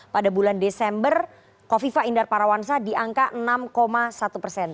pada bulan desember kofifa indar parawansa di angka enam satu persen